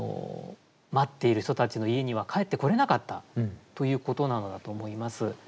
待っている人たちの家には帰ってこれなかったということなのだと思います。